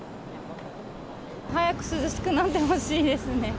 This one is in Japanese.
早く涼しくなってほしいですね。